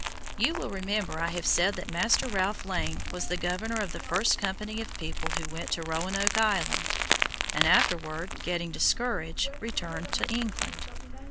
You will remember I have said that Master Ralph Lane was the governor of the first company of people who went to Roanoke Island, and, afterward, getting discouraged, returned to England.